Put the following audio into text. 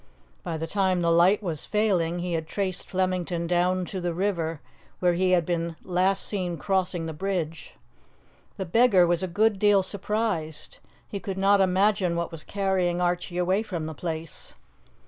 By the time the light was failing he had traced Flemington down to the river, where he had been last seen crossing the bridge. The beggar was a good deal surprised; he could not imagine what was carrying Archie away from the place.